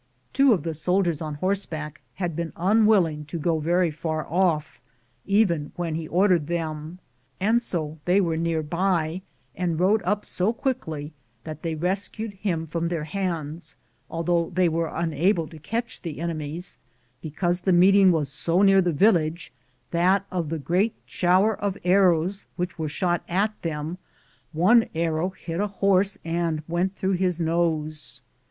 Two of the soldiers on horseback had been unwilling to go very far off, even when he ordered them, and so they were near by and rode up so quickly that they rescued him from their hands, although they were unable to catch the enemies because the meeting was so near the village that of the great shower of arrows which were shot at them one arrow hit a horse and went through his nose.